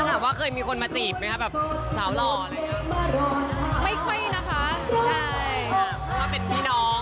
คุณภาพว่าเคยมีคนมาจีบน่ะแบบสาวหล่อไม่ค่อยนะคะใช่หรือเป็นพี่น้อง